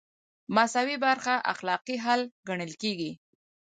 مساوي برخه اخلاقي حل ګڼل کیږي.